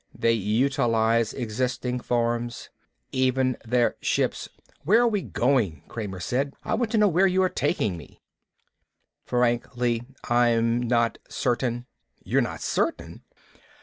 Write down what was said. They utilize existing forms. Even their ships " "Where are we going?" Kramer said. "I want to know where you are taking me." "Frankly, I'm not certain." "You're not certain?"